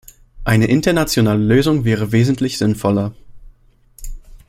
Eine internationale Lösung wäre wesentlich sinnvoller.